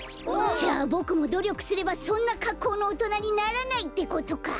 じゃあボクもどりょくすればそんなかっこうのおとなにならないってことか！